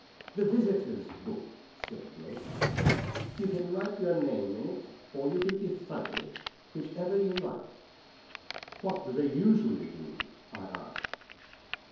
"The visitors' book," said Blake. "You can just write your name in it, or you can be funny, whichever you like." "What do they usually do?" I asked.